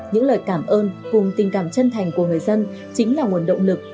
những lời cảm ơn cùng tình cảm chân thành của người dân chính là nguồn động lực